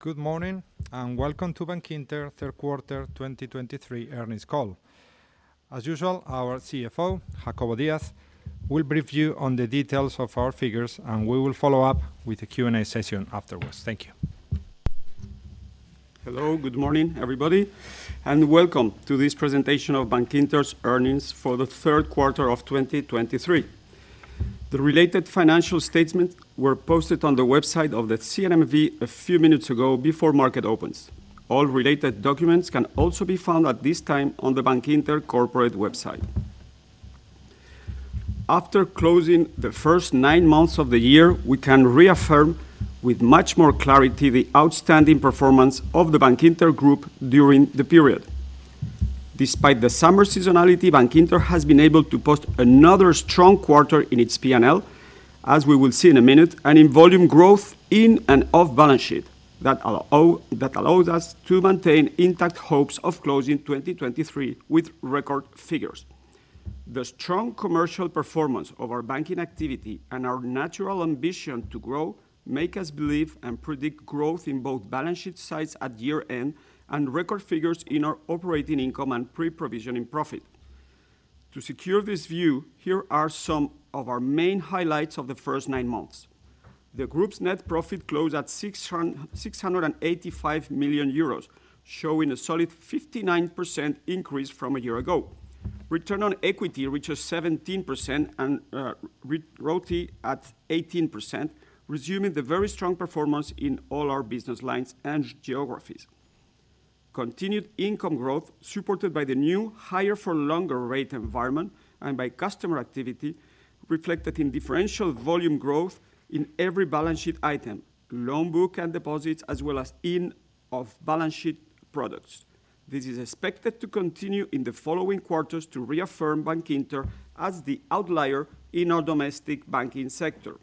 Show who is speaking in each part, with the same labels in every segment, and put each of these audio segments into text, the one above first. Speaker 1: Good morning, and welcome to Bankinter third quarter 2023 earnings call. As usual, our CFO, Jacobo Díaz, will brief you on the details of our figures, and we will follow up with a Q&A session afterwards. Thank you.
Speaker 2: Hello. Good morning, everybody, and welcome to this presentation of Bankinter's earnings for the third quarter of 2023. The related financial statement were posted on the website of the CNMV a few minutes ago before market opens. All related documents can also be found at this time on the Bankinter corporate website. After closing the first nine months of the year, we can reaffirm with much more clarity the outstanding performance of the Bankinter group during the period. Despite the summer seasonality, Bankinter has been able to post another strong quarter in its P&L, as we will see in a minute, and in volume growth on and off balance sheet that allows us to maintain intact hopes of closing 2023 with record figures. The strong commercial performance of our banking activity and our natural ambition to grow, make us believe and predict growth in both balance sheet sizes at year-end and record figures in our operating income and pre-provisioning profit. To secure this view, here are some of our main highlights of the first nine months. The group's net profit closed at 685 million euros, showing a solid 59% increase from a year ago. Return on equity reaches 17% and RoTE at 18%, resuming the very strong performance in all our business lines and geographies. Continued income growth, supported by the new higher-for-longer rate environment and by customer activity, reflected in differential volume growth in every balance sheet item, loan book and deposits, as well as in off-balance sheet products. This is expected to continue in the following quarters to reaffirm Bankinter as the outlier in our domestic banking sector,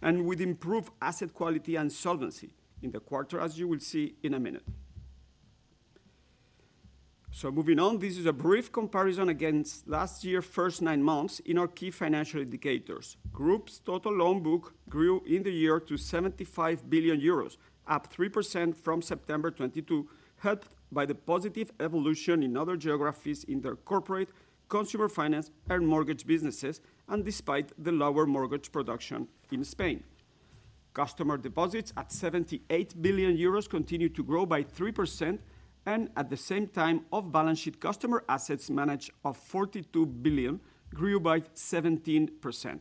Speaker 2: and with improved asset quality and solvency in the quarter, as you will see in a minute. So moving on, this is a brief comparison against last year, first nine months in our key financial indicators. Group's total loan book grew in the year to 75 billion euros, up 3% from September 2022, helped by the positive evolution in other geographies in their corporate, consumer finance, and mortgage businesses, and despite the lower mortgage production in Spain. Customer deposits at 78 billion euros continued to grow by 3%, and at the same time, off-balance sheet customer assets managed of 42 billion grew by 17%.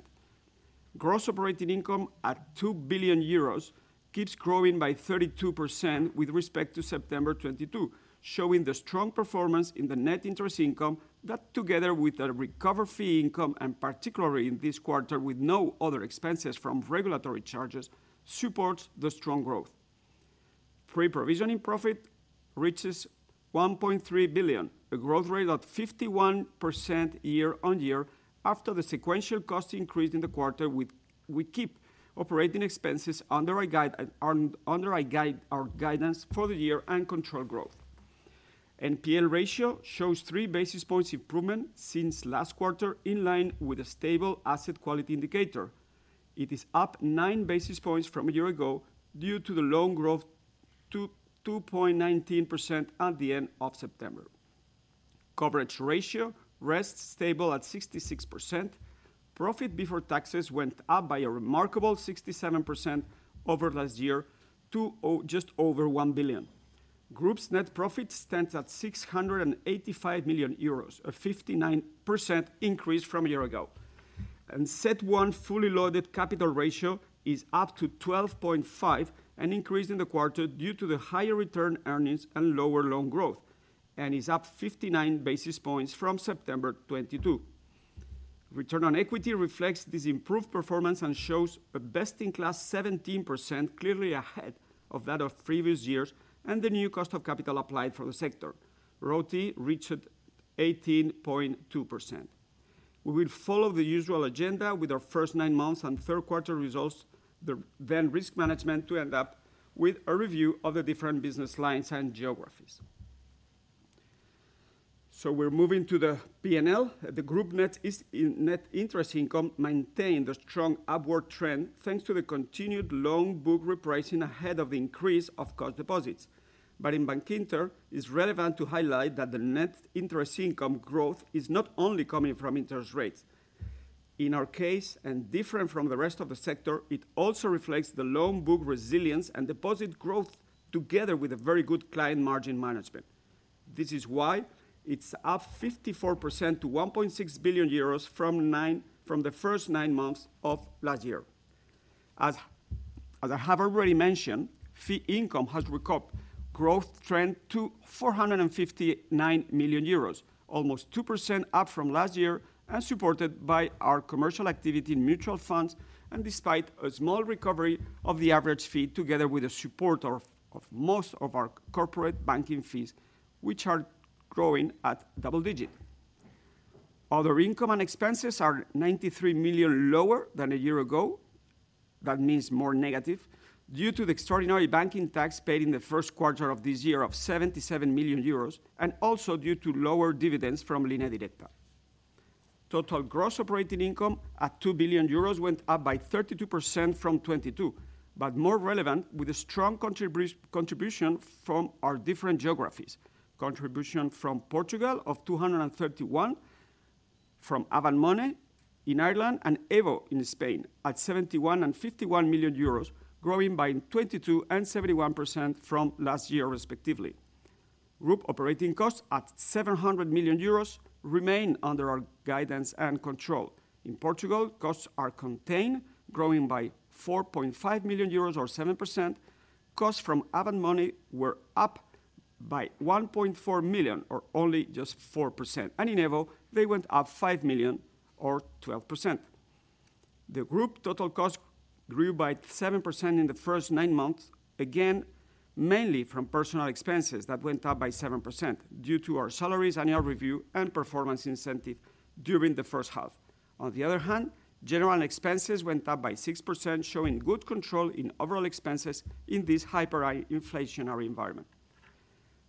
Speaker 2: Gross operating income at 2 billion euros keeps growing by 32% with respect to September 2022, showing the strong performance in the net interest income that, together with a recovered fee income, and particularly in this quarter, with no other expenses from regulatory charges, supports the strong growth. Pre-provisioning profit reaches 1.3 billion, a growth rate at 51% year-on-year, after the sequential cost increase in the quarter, we keep operating expenses under our guide and under our guide, our guidance for the year and control growth. NPL ratio shows 3 basis points improvement since last quarter, in line with a stable asset quality indicator. It is up 9 basis points from a year ago due to the loan growth to 2.19% at the end of September. Coverage ratio rests stable at 66%. Profit before taxes went up by a remarkable 67% over last year to just over 1 billion. Group's net profit stands at 685 million euros, a 59% increase from a year ago. CET1 fully-loaded capital ratio is up to 12.5%, an increase in the quarter due to the higher return earnings and lower loan growth, and is up 59 basis points from September 2022. Return on equity reflects this improved performance and shows a best-in-class 17%, clearly ahead of that of previous years and the new cost of capital applied for the sector. RoTE reached 18.2%. We will follow the usual agenda with our first nine months and third quarter results, then risk management, to end up with a review of the different business lines and geographies. So we're moving to the P&L. The group's net interest income maintained a strong upward trend, thanks to the continued loan book repricing ahead of the increase of cost deposits. But in Bankinter, it's relevant to highlight that the net interest income growth is not only coming from interest rates. In our case, and different from the rest of the sector, it also reflects the loan book resilience and deposit growth together with a very good client margin management. This is why it's up 54% to 1.6 billion euros from the first nine months of last year. As I have already mentioned, fee income has recovered growth trend to 459 million euros, almost 2% up from last year, and supported by our commercial activity in mutual funds, and despite a small recovery of the average fee, together with the support of most of our corporate banking fees, which are growing at double-digit. Other income and expenses are 93 million lower than a year ago. That means more negative due to the extraordinary banking tax paid in the first quarter of this year of 77 million euros, and also due to lower dividends from Línea Directa. Total gross operating income at 2 billion euros went up by 32% from 2022, but more relevant, with a strong contribution from our different geographies. Contribution from Portugal of 231 million, from Avant Money in Ireland, and EVO in Spain at 71 million and 51 million euros, growing by 22% and 71% from last year, respectively. Group operating costs at 700 million euros remain under our guidance and control. In Portugal, costs are contained, growing by 4.5 million euros or 7%. Costs from Avant Money were up by 1.4 million, or only just 4%, and in EVO, they went up 5 million, or 12%. The group total cost grew by 7% in the first nine months, again, mainly from personal expenses that went up by 7% due to our salaries, annual review, and performance incentive during the first half. On the other hand, general expenses went up by 6%, showing good control in overall expenses in this hyperinflationary environment.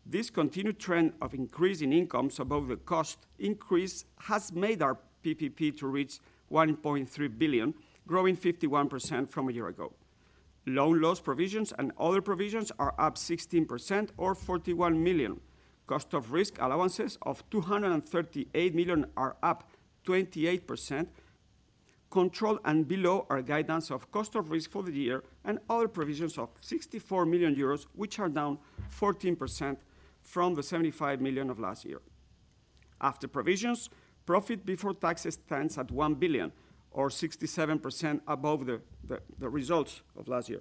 Speaker 2: This continued trend of increase in incomes above the cost increase has made our PPP to reach 1.3 billion, growing 51% from a year ago. Loan loss provisions and other provisions are up 16% or 41 million. Cost of risk allowances of 238 million are up 28%, controlled and below our guidance of cost of risk for the year and other provisions of 64 million euros, which are down 14% from the 75 million of last year. After provisions, profit before taxes stands at 1 billion or 67% above the results of last year.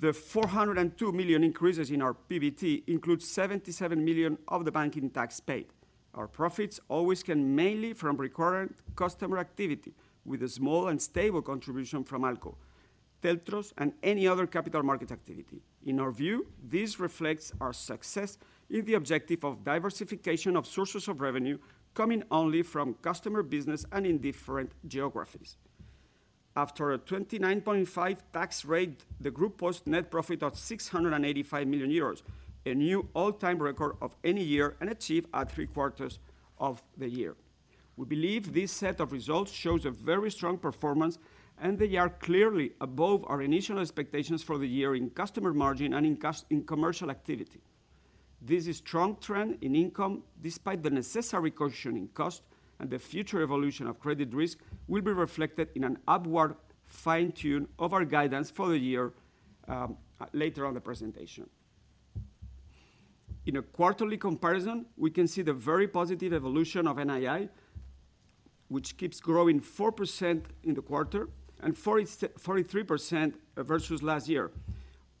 Speaker 2: The 402 million increases in our PBT includes 77 million of the banking tax paid. Our profits always came mainly from recurrent customer activity, with a small and stable contribution from ALCO, TLTROs, and any other capital market activity. In our view, this reflects our success in the objective of diversification of sources of revenue coming only from customer business and in different geographies. After a 29.5% tax rate, the group posted net profit of 685 million euros, a new all-time record of any year and achieved at three quarters of the year. We believe this set of results shows a very strong performance, and they are clearly above our initial expectations for the year in customer margin and in commercial activity. This is strong trend in income, despite the necessary caution in cost and the future evolution of credit risk will be reflected in an upward fine-tune of our guidance for the year, later on the presentation. In a quarterly comparison, we can see the very positive evolution of NII, which keeps growing 4% in the quarter and 43% versus last year.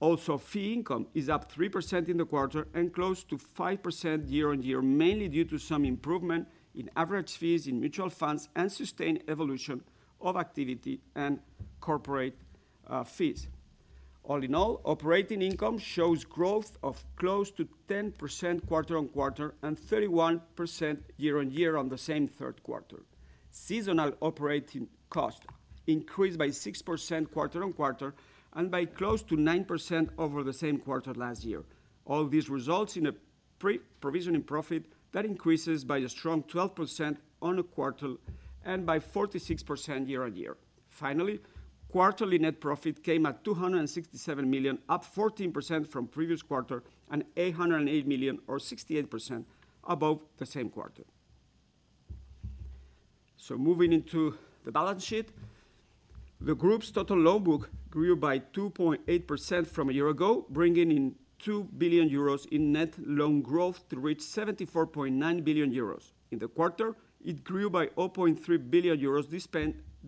Speaker 2: Also, fee income is up 3% in the quarter and close to 5% year-on-year, mainly due to some improvement in average fees in mutual funds and sustained evolution of activity and corporate fees. All in all, operating income shows growth of close to 10% quarter-on-quarter and 31% year-on-year on the same third quarter. Seasonal operating cost increased by 6% quarter-on-quarter and by close to 9% over the same quarter last year. All these results in a pre-provisioning profit that increases by a strong 12% on a quarter and by 46% year-on-year. Finally, quarterly net profit came at 267 million, up 14% from previous quarter, and 808 million, or 68% above the same quarter. So moving into the balance sheet, the group's total loan book grew by 2.8% from a year ago, bringing in 2 billion euros in net loan growth to reach 74.9 billion euros. In the quarter, it grew by 0.3 billion euros,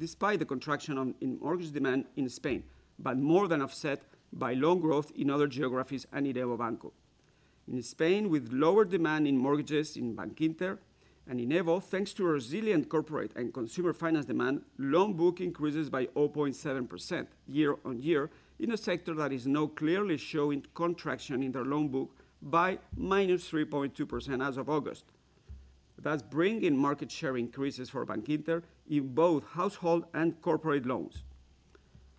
Speaker 2: despite the contraction in mortgage demand in Spain, but more than offset by loan growth in other geographies and in EVO Banco. In Spain, with lower demand in mortgages in Bankinter and in EVO, thanks to a resilient corporate and consumer finance demand, loan book increases by 0.7% year-on-year in a sector that is now clearly showing contraction in their loan book by -3.2% as of August. Thus, bringing market share increases for Bankinter in both household and corporate loans.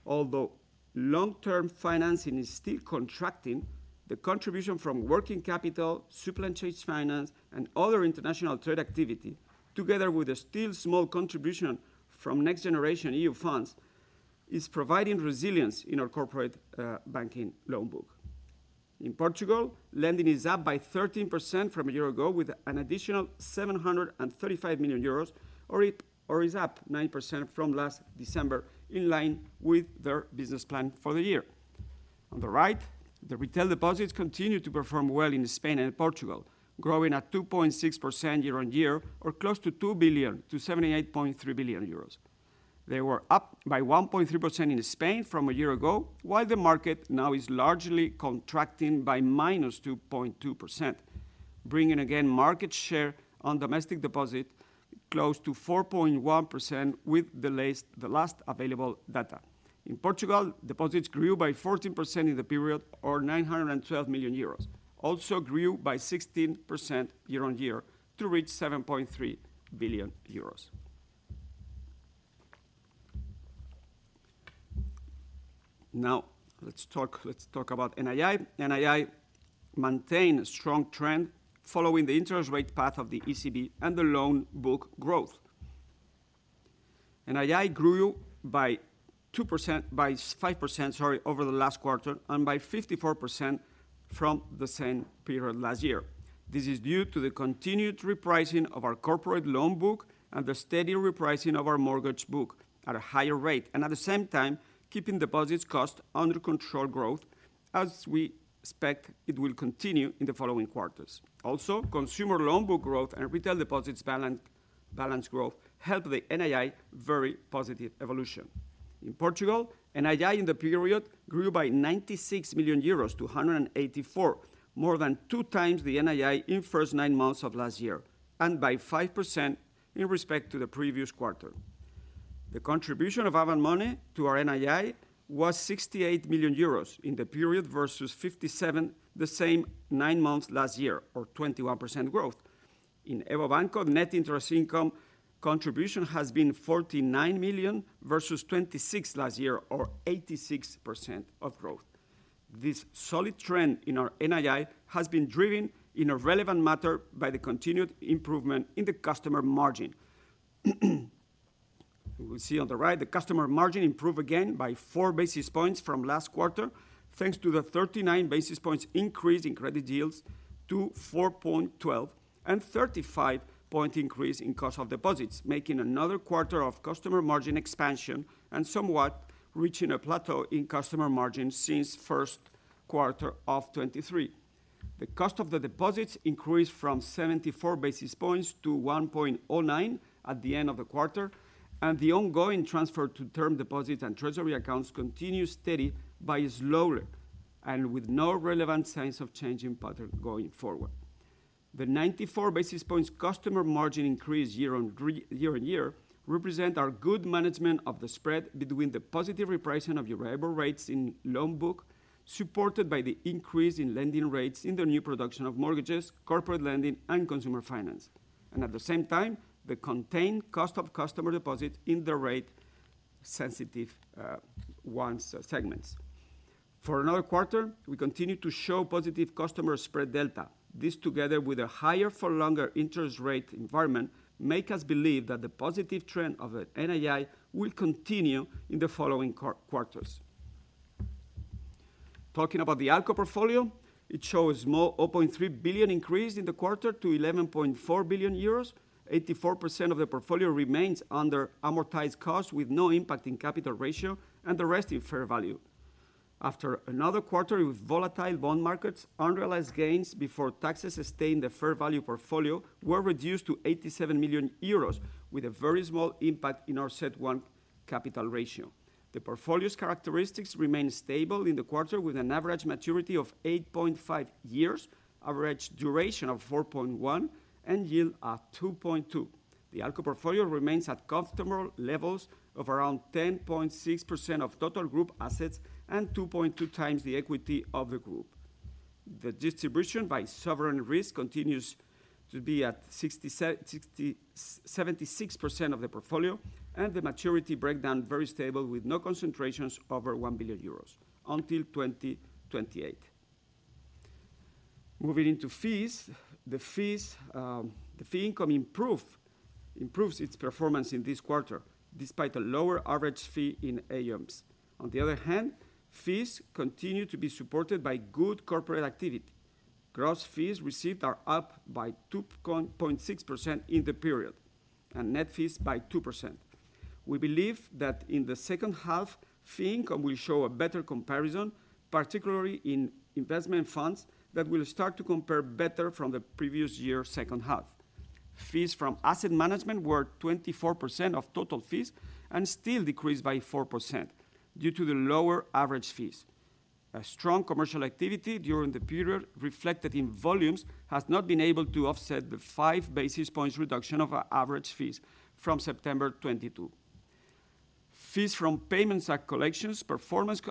Speaker 2: Although long-term financing is still contracting, the contribution from working capital, supply chain finance, and other international trade activity, together with a still small contribution from NextGenerationEU Funds, is providing resilience in our corporate banking loan book. In Portugal, lending is up by 13% from a year ago, with an additional 735 million euros, or it's up 9% from last December, in line with their business plan for the year. On the right, the retail deposits continue to perform well in Spain and Portugal, growing at 2.6% year-over-year, or close to 2 billion, to 78.3 billion euros. They were up by 1.3% in Spain from a year ago, while the market now is largely contracting by -2.2%, bringing again market share on domestic deposit close to 4.1% with the last available data. In Portugal, deposits grew by 14% in the period, or 912 million euros, also grew by 16% year-over-year to reach 7.3 billion euros. Now, let's talk about NII. NII maintained a strong trend following the interest rate path of the ECB and the loan book growth. NII grew by 2%--by 5%, sorry, over the last quarter, and by 54% from the same period last year. This is due to the continued repricing of our corporate loan book and the steady repricing of our mortgage book at a higher rate, and at the same time, keeping deposits cost under control growth, as we expect it will continue in the following quarters. Also, consumer loan book growth and retail deposits balance growth helped the NII very positive evolution. In Portugal, NII in the period grew by 96 million euros to 184 million, more than two times the NII in first nine months of last year, and by 5% in respect to the previous quarter. The contribution of Avant Money to our NII was 68 million euros in the period versus 57 million, the same nine months last year, or 21% growth. In EVO Banco, net interest income contribution has been 49 million versus 26 million last year, or 86% growth. This solid trend in our NII has been driven in a relevant matter by the continued improvement in the customer margin. We see on the right, the customer margin improve again by 4 basis points from last quarter, thanks to the 39 basis points increase in credit yields to 4.12%, and 35-point increase in cost of deposits, making another quarter of customer margin expansion and somewhat reaching a plateau in customer margin since first quarter of 2023. The cost of the deposits increased from 74 basis points to 1.09% at the end of the quarter, and the ongoing transfer to term deposits and treasury accounts continued steady, but slowly, and with no relevant signs of changing pattern going forward. The 94 basis points customer margin increase year-on-year represent our good management of the spread between the positive repricing of variable rates in loan book, supported by the increase in lending rates in the new production of mortgages, corporate lending, and consumer finance. And at the same time, the contained cost of customer deposits in the rate-sensitive segments. For another quarter, we continue to show positive customer spread delta. This, together with a higher for longer interest rate environment, make us believe that the positive trend of the NII will continue in the following quarters. Talking about the ALCO portfolio, it shows small 0.3 billion increase in the quarter to 11.4 billion euros. 84% of the portfolio remains under amortized cost, with no impact in capital ratio and the rest in fair value. After another quarter with volatile bond markets, unrealized gains before taxes sustained in the fair value portfolio were reduced to 87 million euros, with a very small impact in our CET1 capital ratio. The portfolio's characteristics remained stable in the quarter, with an average maturity of 8.5 years, average duration of 4.1%, and yield of 2.2%. The ALCO portfolio remains at comfortable levels of around 10.6% of total group assets and 2.2x the equity of the group. The distribution by sovereign risk continues to be at 76% of the portfolio and the maturity breakdown very stable, with no concentrations over 1 billion euros until 2028. Moving into fees. The fee income improves its performance in this quarter, despite a lower average fee in AUMs. On the other hand, fees continue to be supported by good corporate activity. Gross fees received are up by 2.6% in the period, and net fees by 2%. We believe that in the second half, fee income will show a better comparison, particularly in investment funds, that will start to compare better from the previous year's second half. Fees from asset management were 24% of total fees and still decreased by 4% due to the lower average fees. A strong commercial activity during the period, reflected in volumes, has not been able to offset the 5 basis points reduction of our average fees from September 2022. Fees from payments and collections performance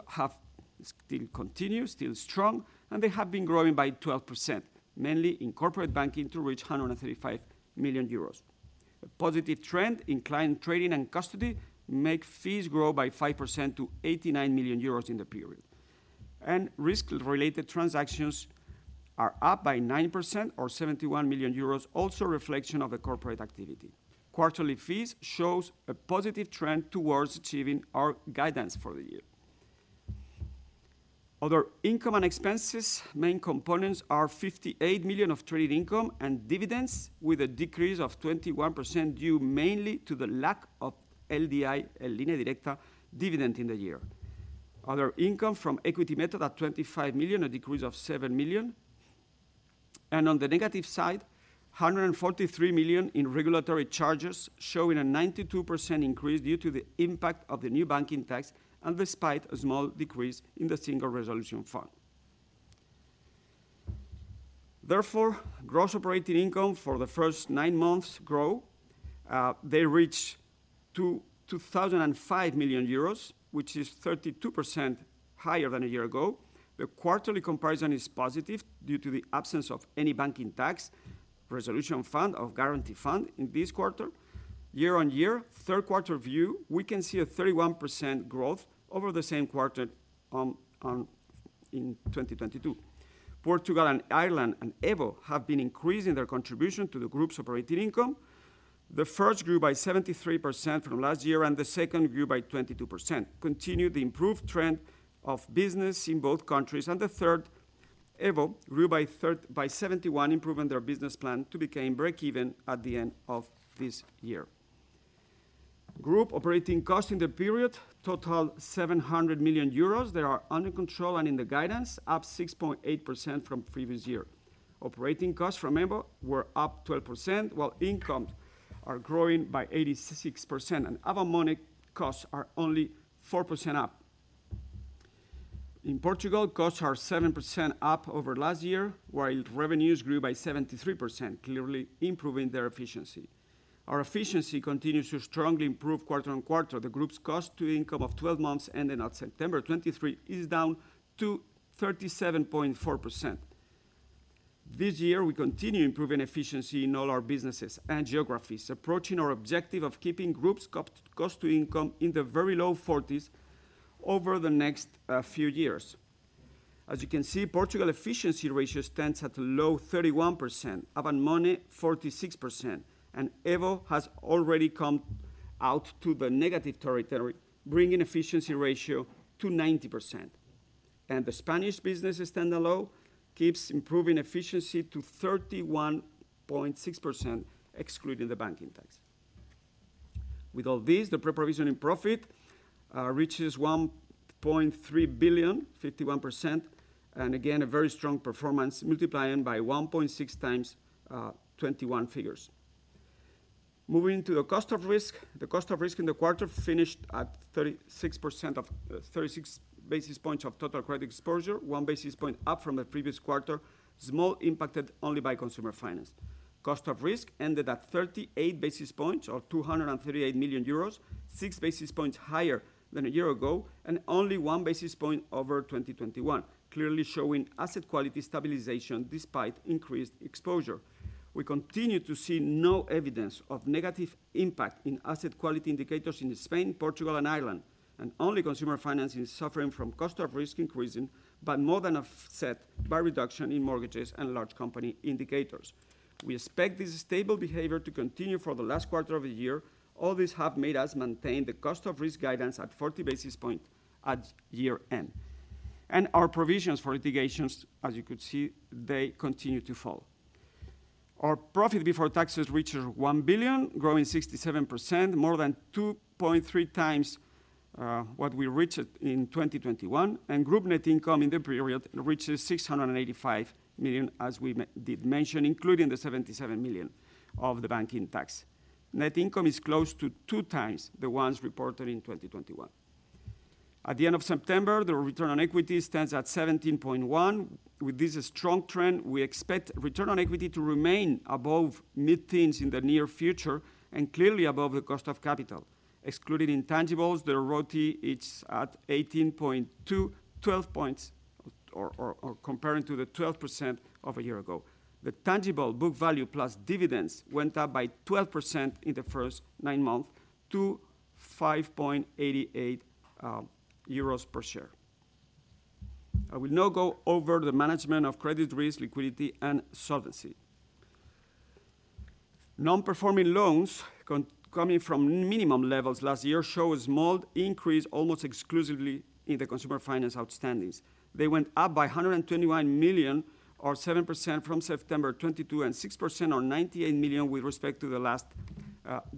Speaker 2: continue still strong, and they have been growing by 12%, mainly in corporate banking, to reach 135 million euros. A positive trend in client trading and custody make fees grow by 5% to 89 million euros in the period. Risk-related transactions are up by 9% or 71 million euros, also a reflection of the corporate activity. Quarterly fees shows a positive trend towards achieving our guidance for the year. Other income and expenses, main components are 58 million of trade income and dividends, with a decrease of 21%, due mainly to the lack of LDI, Línea Directa, dividend in the year. Other income from equity method at 25 million, a decrease of 7 million. On the negative side, 143 million in regulatory charges, showing a 92% increase due to the impact of the new banking tax and despite a small decrease in the Single Resolution Fund. Therefore, gross operating income for the first nine months grow. They reach 2,205 million euros, which is 32% higher than a year ago. The quarterly comparison is positive due to the absence of any banking tax, resolution fund, or guarantee fund in this quarter. Year-on-year, third quarter view, we can see a 31% growth over the same quarter in 2022. Portugal and Ireland and EVO have been increasing their contribution to the group's operating income. The first grew by 73% from last year, and the second grew by 22%. Continue the improved trend of business in both countries, and the third, EVO, grew by 71%, improving their business plan to become break-even at the end of this year. Group operating costs in the period totaled 700 million euros. They are under control and in the guidance, up 6.8% from previous year. Operating costs, remember, were up 12%, while income are growing by 86%, and Avant Money costs are only 4% up. In Portugal, costs are 7% up over last year, while revenues grew by 73%, clearly improving their efficiency. Our efficiency continues to strongly improve quarter-on-quarter. The group's cost to income of 12 months ending at September 2023 is down to 37.4%. This year, we continue improving efficiency in all our businesses and geographies, approaching our objective of keeping group's cost, cost to income in the very low forties over the next, few years. As you can see, Portugal efficiency ratio stands at a low 31%, Avant Money 46%, and EVO has already come out to the negative territory, bringing efficiency ratio to 90%. The Spanish business standalone keeps improving efficiency to 31.6%, excluding the banking tax. With all this, the pre-provision profit reaches 1.3 billion, 51%, and again, a very strong performance, multiplying by 1.6x 2021 figures. Moving to the cost of risk. The cost of risk in the quarter finished at 36 basis points of total credit exposure, 1 basis point up from the previous quarter, slightly impacted only by consumer finance. Cost of risk ended at 38 basis points, or 238 million euros, 6 basis points higher than a year ago, and only 1 basis point over 2021, clearly showing asset quality stabilization despite increased exposure. We continue to see no evidence of negative impact in asset quality indicators in Spain, Portugal and Ireland, and only consumer finance is suffering from cost of risk increasing, but more than offset by reduction in mortgages and large company indicators. We expect this stable behavior to continue for the last quarter of the year. All this have made us maintain the cost of risk guidance at 40 basis point at year-end. Our provisions for litigations, as you could see, they continue to fall. Our profit before taxes reaches 1 billion, growing 67%, more than 2.3x what we reached in 2021, and group net income in the period reaches 685 million, as we mentioned, including the 77 million of the banking tax. Net income is close to 2x the ones reported in 2021. At the end of September, the return on equity stands at 17.1%. With this strong trend, we expect return on equity to remain above mid-teens in the near future and clearly above the cost of capital. Excluding intangibles, the RoTE, it's at 18.2%, 12 points comparing to the 12% of a year ago. The tangible book value plus dividends went up by 12% in the first nine months to 5.88 euros per share. I will now go over the management of credit risk, liquidity, and solvency. Non-performing loans coming from minimum levels last year, show a small increase, almost exclusively in the consumer finance outstandings. They went up by 121 million, or 7% from September 2022, and 6% or 98 million with respect to the last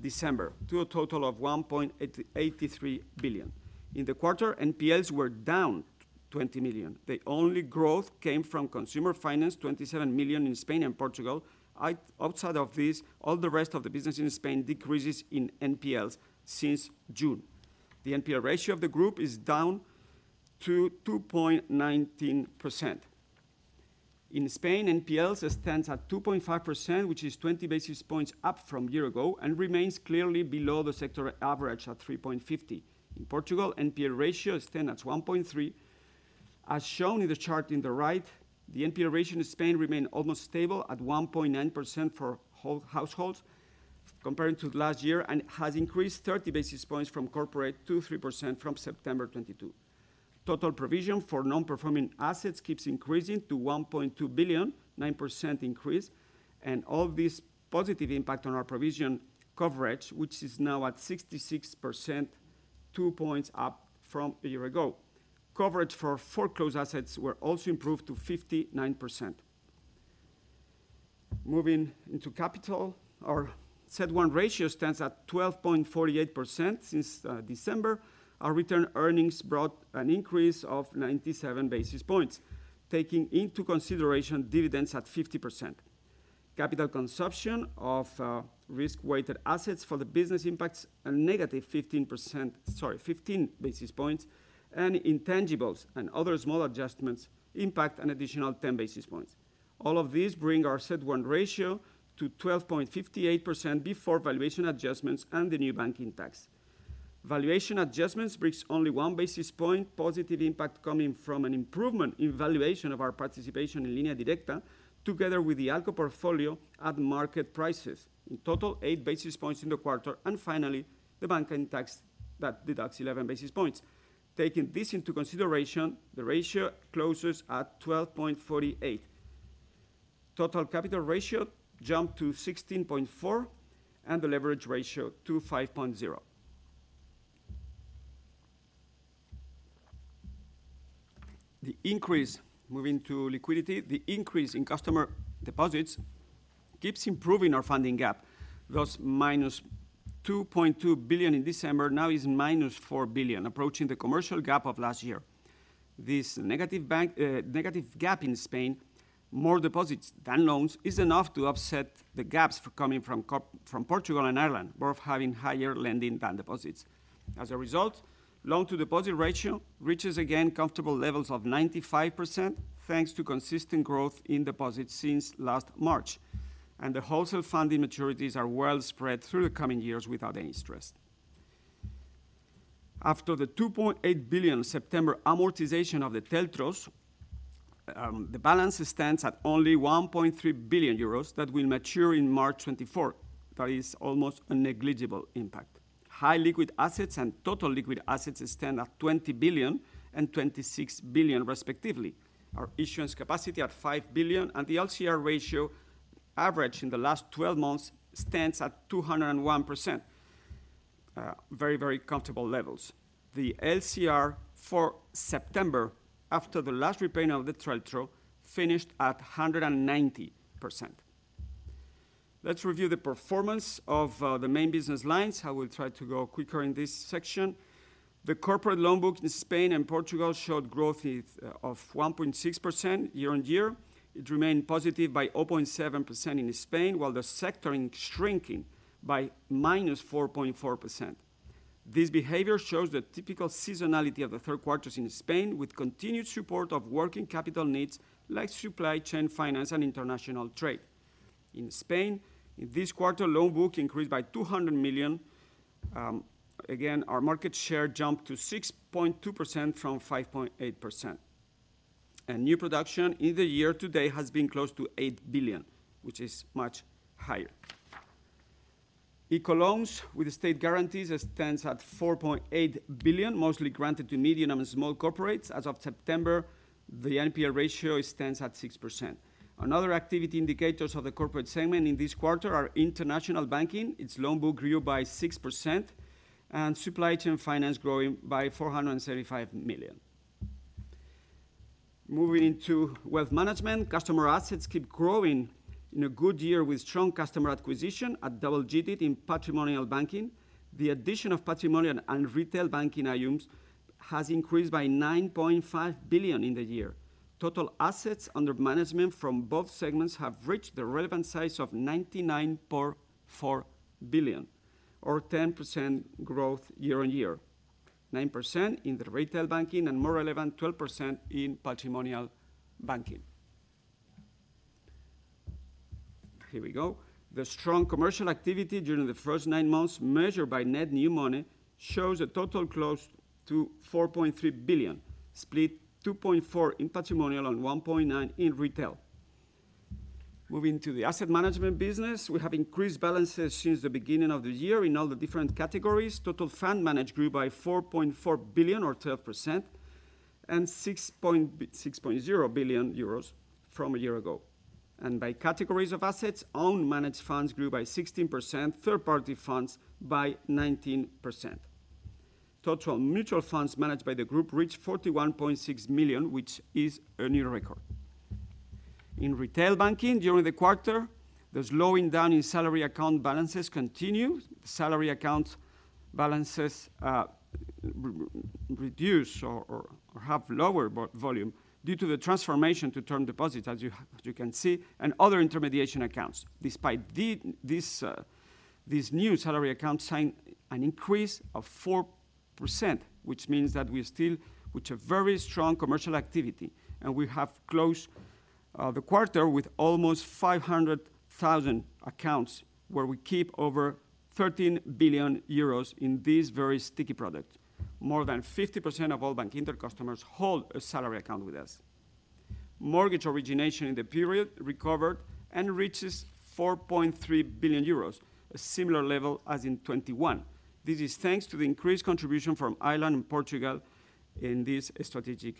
Speaker 2: December, to a total of 1.83 billion. In the quarter, NPLs were down 20 million. The only growth came from consumer finance, 27 million in Spain and Portugal. Outside of this, all the rest of the business in Spain decreases in NPLs since June. The NPL ratio of the group is down to 2.19%. In Spain, NPLs stands at 2.5%, which is 20 basis points up from a year ago and remains clearly below the sector average at 3.50%. In Portugal, NPL ratio stands at 1.3%. As shown in the chart in the right, the NPL ratio in Spain remained almost stable at 1.9% for households, comparing to last year, and has increased 30 basis points for corporate to 3% from September 2022. Total provision for non-performing assets keeps increasing to 1.2 billion, 9% increase, and all this positive impact on our provision coverage, which is now at 66%, 2 points up from a year ago. Coverage for foreclosed assets were also improved to 59%. Moving into capital, our CET1 ratio stands at 12.48% since December. Our return earnings brought an increase of 97 basis points, taking into consideration dividends at 50%. Capital consumption of risk-weighted assets for the business impacts a -15%. Sorry, 15 basis points, and intangibles and other small adjustments impact an additional 10 basis points. All of these bring our CET1 ratio to 12.58% before valuation adjustments and the new banking tax. Valuation adjustments brings only 1 basis point, positive impact coming from an improvement in valuation of our participation in Línea Directa, together with the ALCO portfolio at market prices. In total, 8 basis points in the quarter. And finally, the banking tax that deducts 11 basis points. Taking this into consideration, the ratio closes at 12.48. Total capital ratio jumped to 16.4, and the leverage ratio to 5.0. The increase, moving to liquidity, the increase in customer deposits keeps improving our funding gap. Thus, -2.2 billion in December now is -4 billion, approaching the commercial gap of last year. This negative bank negative gap in Spain, more deposits than loans, is enough to offset the gaps coming from Portugal and Ireland, both having higher lending than deposits. As a result, loan-to-deposit ratio reaches again comfortable levels of 95%, thanks to consistent growth in deposits since last March, and the wholesale funding maturities are well spread through the coming years without any stress. After the 2.8 billion September amortization of the TLTROs, the balance stands at only 1.3 billion euros that will mature in March 2024. That is almost a negligible impact. High liquid assets and total liquid assets stand at 20 billion and 26 billion, respectively. Our issuance capacity at 5 billion, and the LCR ratio average in the last 12 months stands at 201%. Very, very comfortable levels. The LCR for September, after the last repayment of the TLTRO, finished at 190%. Let's review the performance of the main business lines. I will try to go quicker in this section. The corporate loan book in Spain and Portugal showed growth of 1.6% year-on-year. It remained positive by 0.7% in Spain, while the sector is shrinking by -4.4%. This behavior shows the typical seasonality of the third quarters in Spain, with continued support of working capital needs like supply chain finance and international trade. In Spain, in this quarter, loan book increased by 200 million. Again, our market share jumped to 6.2% from 5.8%. And new production in the year to date has been close to 8 billion, which is much higher. ICO loans with state guarantees stand at 4.8 billion, mostly granted to medium and small corporates. As of September, the NPA ratio stands at 6%. Another activity indicators of the corporate segment in this quarter are international banking. Its loan book grew by 6%, and supply chain finance growing by 475 million. Moving into wealth management, customer assets keep growing in a good year with strong customer acquisition at double-digit in patrimonial banking. The addition of patrimonial and retail banking AUMs has increased by 9.5 billion in the year. Total assets under management from both segments have reached the relevant size of 99.4 billion, or 10% growth year-on-year. 9% in the retail banking and more relevant, 12% in patrimonial banking. Here we go. The strong commercial activity during the first nine months, measured by net new money, shows a total close to 4.3 billion, split 2.4 billion in patrimonial and 1.9 billion in retail. Moving to the asset management business, we have increased balances since the beginning of the year in all the different categories. Total fund managed grew by 4.4 billion or 12%, and 6.0 billion euros from a year ago. By categories of assets, own managed funds grew by 16%, third-party funds by 19%. Total mutual funds managed by the group reached 41.6 million, which is a new record. In retail banking, during the quarter, the slowing down in salary account balances continue. Salary account balances reduce or have lower volume due to the transformation to term deposits, as you can see, and other intermediation accounts. Despite this, new salary accounts sign an increase of 4%, which means that we are still with a very strong commercial activity, and we have closed the quarter with almost 500,000 accounts, where we keep over 13 billion euros in this very sticky product. More than 50% of all Bankinter customers hold a salary account with us. Mortgage origination in the period recovered and reaches 4.3 billion euros, a similar level as in 2021. This is thanks to the increased contribution from Ireland and Portugal in this strategic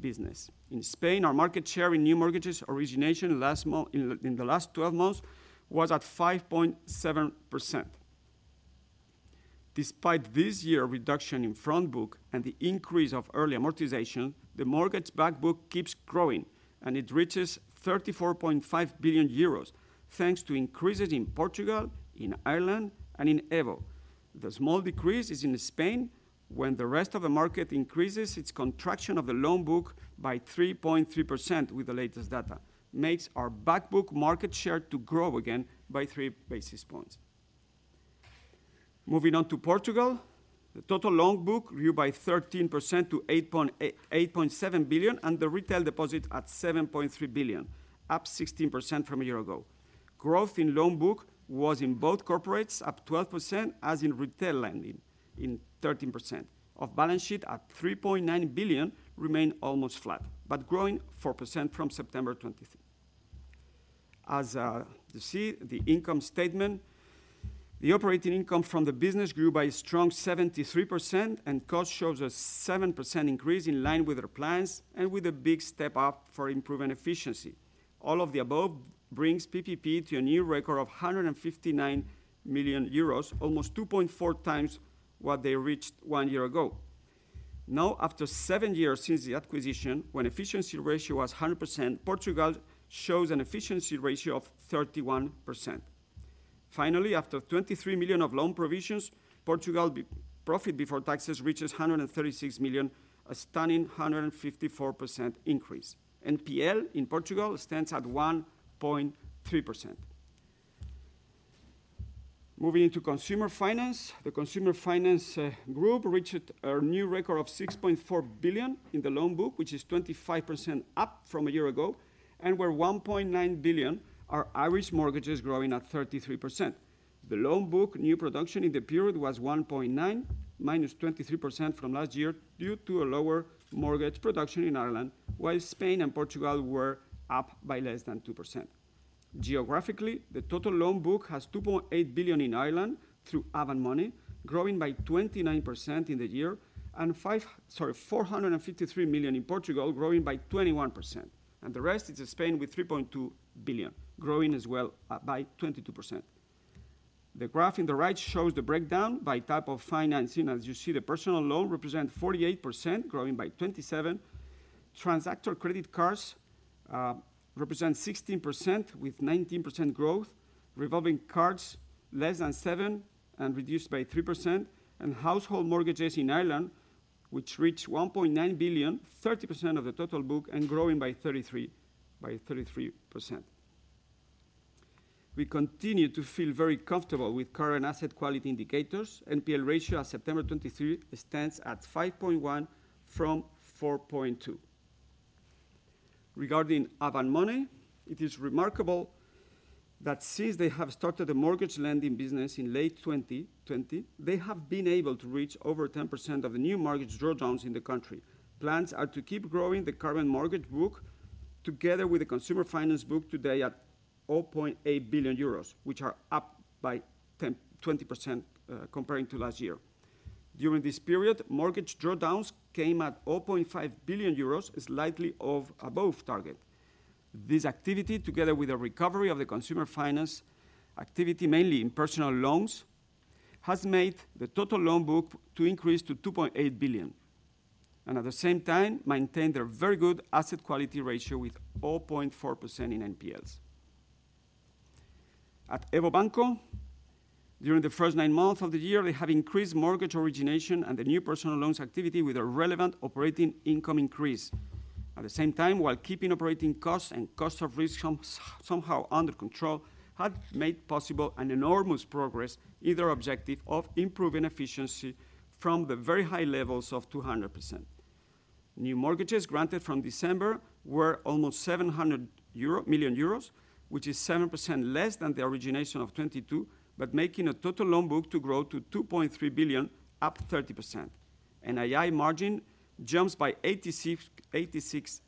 Speaker 2: business. In Spain, our market share in new mortgages origination in the last 12 months was at 5.7%. Despite this year reduction in front book and the increase of early amortization, the mortgage back book keeps growing, and it reaches 34.5 billion euros, thanks to increases in Portugal, in Ireland, and in EVO. The small decrease is in Spain, when the rest of the market increases its contraction of the loan book by 3.3% with the latest data, makes our back book market share to grow again by 3 basis points. Moving on to Portugal, the total loan book grew by 13% to 8.7 billion, and the retail deposit at 7.3 billion, up 16% from a year ago. Growth in loan book was in both corporates, up 12%, as in retail lending, 13%. Off-balance sheet, at 3.9 billion, remained almost flat, but growing 4% from September 23. As you see in the income statement, the operating income from the business grew by a strong 73%, and cost shows a 7% increase in line with our plans and with a big step-up for improving efficiency. All of the above brings PPP to a new record of 159 million euros, almost 2.4x what they reached one year ago. Now, after seven years since the acquisition, when efficiency ratio was 100%, Portugal shows an efficiency ratio of 31%. Finally, after 23 million of loan provisions, Portugal's profit before taxes reaches 136 million, a stunning 154% increase. NPL in Portugal stands at 1.3%. Moving into consumer finance. The consumer finance group reached a new record of 6.4 billion in the loan book, which is 25% up from a year ago, and where 1.9 billion are Irish mortgages growing at 33%. The loan book new production in the period was 1.9 billion, -23% from last year, due to a lower mortgage production in Ireland, while Spain and Portugal were up by less than 2%. Geographically, the total loan book has 2.8 billion in Ireland through Avant Money, growing by 29% in the year, and sorry, 453 million in Portugal, growing by 21%. The rest is in Spain, with 3.2 billion, growing as well, by 22%. The graph in the right shows the breakdown by type of financing. As you see, the personal loan represent 48%, growing by 27%. Transactor credit cards represent 16%, with 19% growth. Revolving cards, less than 7% and reduced by 3%. And household mortgages in Ireland, which reached 1.9 billion, 30% of the total book, and growing by 33%, by 33%. We continue to feel very comfortable with current asset quality indicators. NPL ratio at September 2023 stands at 5.1% from 4.2%. Regarding Avant Money, it is remarkable that since they have started the mortgage lending business in late 2020, they have been able to reach over 10% of the new mortgage drawdowns in the country. Plans are to keep growing the current mortgage book, together with the consumer finance book today at 0.8 billion euros, which are up by 10%-20%, comparing to last year. During this period, mortgage drawdowns came at 0.5 billion euros, slightly above target. This activity, together with a recovery of the consumer finance activity, mainly in personal loans, has made the total loan book to increase to 2.8 billion, and at the same time, maintain their very good asset quality ratio with 0.4% in NPLs. At EVO Banco, during the first nine months of the year, they have increased mortgage origination and the new personal loans activity with a relevant operating income increase. At the same time, while keeping operating costs and cost of risk somehow under control, had made possible an enormous progress, either objective of improving efficiency from the very high levels of 200%. New mortgages granted from December were almost 700 million euro, which is 7% less than the origination of 2022, but making a total loan book to grow to 2.3 billion, up 30%. NII margin jumps by 86%.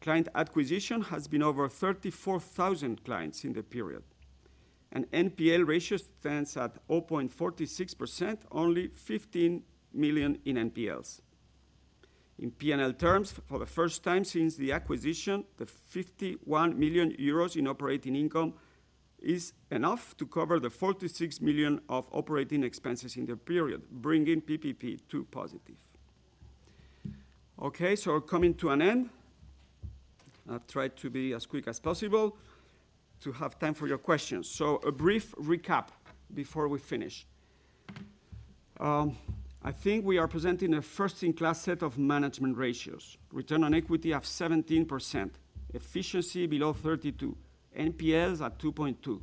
Speaker 2: Client acquisition has been over 34,000 clients in the period, and NPL ratio stands at 0.46%, only 15 million in NPLs. In P&L terms, for the first time since the acquisition, the 51 million euros in operating income is enough to cover the 46 million of operating expenses in the period, bringing PPP to positive. Okay, so coming to an end. I'll try to be as quick as possible to have time for your questions. So a brief recap before we finish. I think we are presenting a first-in-class set of management ratios: return on equity of 17%, efficiency below 32%, NPLs at 2.2%.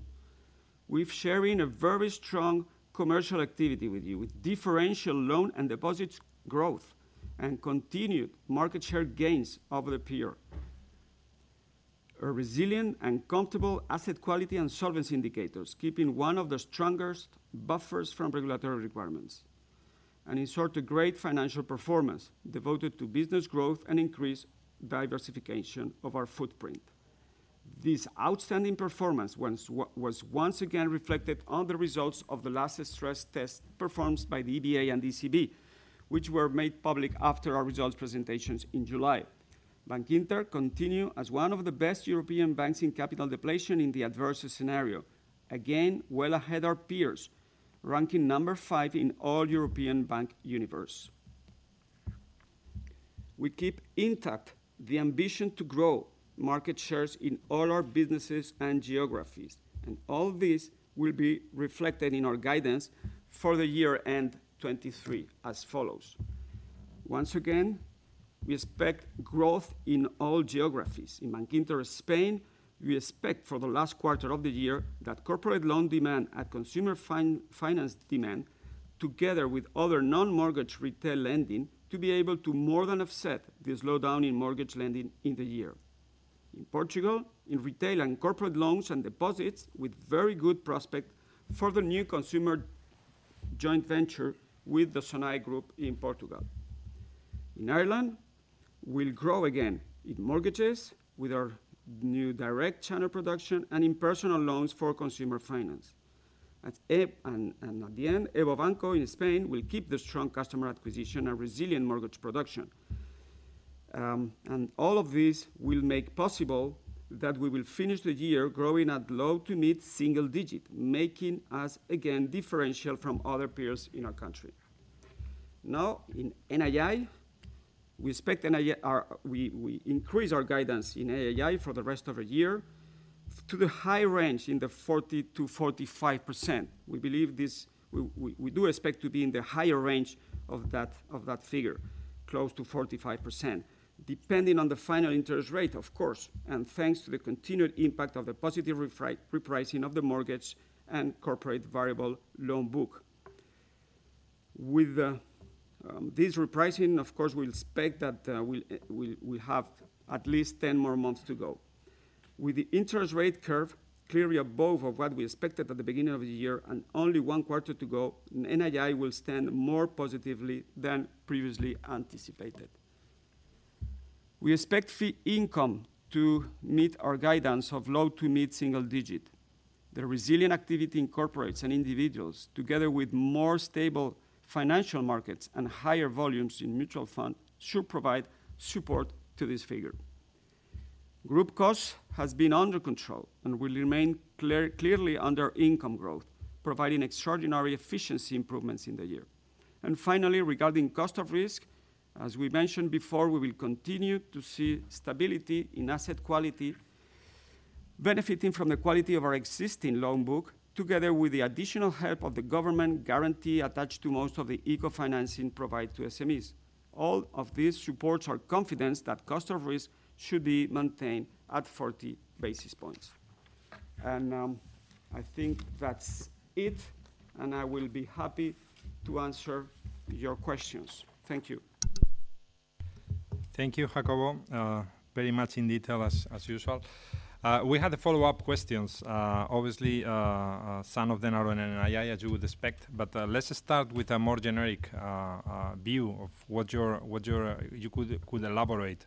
Speaker 2: We've sharing a very strong commercial activity with you, with differential loan and deposits growth and continued market share gains over the peer. A resilient and comfortable asset quality and solvency indicators, keeping one of the strongest buffers from regulatory requirements, and in short, a great financial performance devoted to business growth and increased diversification of our footprint. This outstanding performance was once again reflected on the results of the last stress test performed by the EBA and ECB, which were made public after our results presentations in July. Bankinter continues as one of the best European banks in capital depletion in the adverse scenario. Again, well ahead our peers, ranking number five in all European bank universe. We keep intact the ambition to grow market shares in all our businesses and geographies, and all this will be reflected in our guidance for the year-end 2023 as follows. Once again, we expect growth in all geographies. In Bankinter Spain, we expect for the last quarter of the year that corporate loan demand and consumer finance demand, together with other non-mortgage retail lending, to be able to more than offset the slowdown in mortgage lending in the year. In Portugal, in retail and corporate loans and deposits, with very good prospect for the new consumer joint venture with the Sonae Group in Portugal. In Ireland, we'll grow again in mortgages with our new direct channel production and in personal loans for consumer finance. And at the end, EVO Banco in Spain will keep the strong customer acquisition and resilient mortgage production. And all of this will make possible that we will finish the year growing at low- to mid-single-digit, making us again differential from other peers in our country. Now, in NII, we expect NII; we increase our guidance in NII for the rest of the year to the high range in the 40%-45%. We believe this. We do expect to be in the higher range of that, of that figure, close to 45%, depending on the final interest rate, of course, and thanks to the continued impact of the positive repricing of the mortgage and corporate variable loan book. With this repricing, of course, we expect that we have at least 10 more months to go. With the interest rate curve clearly above of what we expected at the beginning of the year and only one quarter to go, NII will stand more positively than previously anticipated. We expect fee income to meet our guidance of low to mid-single digit. The resilient activity in corporates and individuals, together with more stable financial markets and higher volumes in mutual fund, should provide support to this figure. Group costs has been under control and will remain clearly under income growth, providing extraordinary efficiency improvements in the year. Finally, regarding cost of risk, as we mentioned before, we will continue to see stability in asset quality, benefiting from the quality of our existing loan book, together with the additional help of the government guarantee attached to most of the ICO financing provided to SMEs. All of this supports our confidence that cost of risk should be maintained at 40 basis points. I think that's it, and I will be happy to answer your questions. Thank you.
Speaker 1: Thank you, Jacobo. Very much in detail, as usual. We have the follow-up questions. Obviously, some of them are on NII, as you would expect, but let's start with a more generic view of what you could elaborate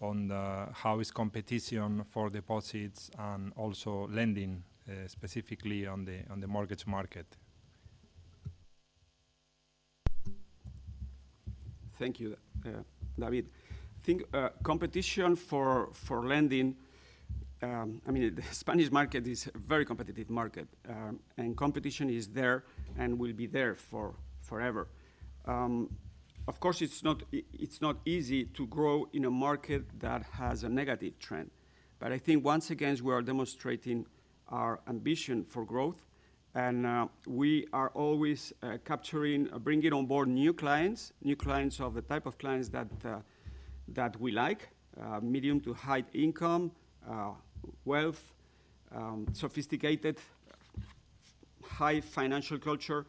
Speaker 1: on, how is competition for deposits and also lending, specifically on the mortgage market?
Speaker 2: Thank you, David. I think, competition for lending, I mean, the Spanish market is a very competitive market, and competition is there and will be there for forever. Of course, it's not easy to grow in a market that has a negative trend, but I think once again, we are demonstrating our ambition for growth, and we are always capturing, bringing on board new clients. New clients are the type of clients that we like: medium to high income, wealth, sophisticated, high financial culture,